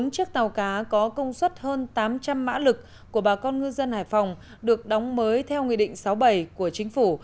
bốn chiếc tàu cá có công suất hơn tám trăm linh mã lực của bà con ngư dân hải phòng được đóng mới theo nghị định sáu bảy của chính phủ